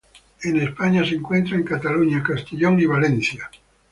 En España se encuentra en Cataluña, Castellón y Valencia.